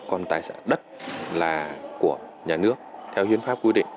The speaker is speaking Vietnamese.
còn tài sản đất là của nhà nước theo hiến pháp quy định